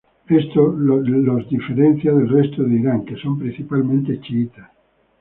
Esto les diferencia del resto de Irán que son principalmente chiitas.